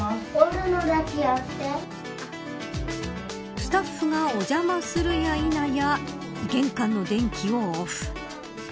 スタッフがお邪魔するや否や玄関の電気をオフ。